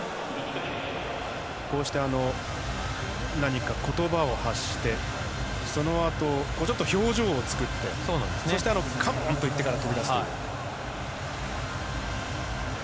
こうして、何か言葉を発してそのあと、ちょっと表情を作ってそしてカモンと言ってから飛び出していく。